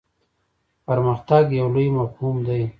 پرمختګ یو لوی مفهوم دی.